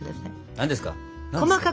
何ですか？